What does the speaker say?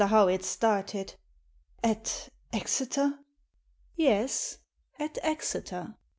Howitt started. "At Exeter?" "Yes; at Exeter."